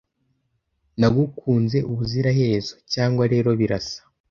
Nagukunze ubuziraherezo, cyangwa rero birasa.